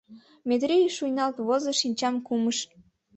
Метрий шуйналт возо, шинчам кумыш.